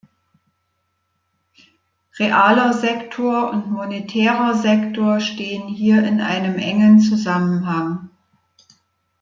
Realer Sektor und monetärer Sektor stehen hier in einem engen Zusammenhang.